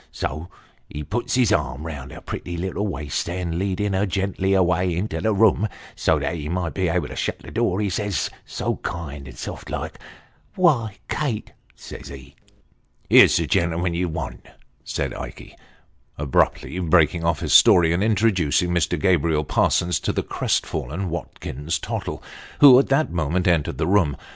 So he puts his arm round her pretty little waist, and leading her gently a little way into the room, so that he might be able to shut the door, he says, so kind and soft like ' Why, Kate,' says he "" Here's the gentleman you want," said Ikey, abruptly breaking off in his story, and introducing Mr. Gabriel Parsons to the crestfallen Watkins Tottle, who at that moment entered the room.